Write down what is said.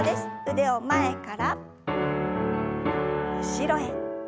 腕を前から後ろへ。